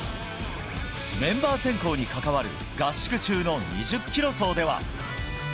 メンバー選考に関わる合宿中の２０キロ走では。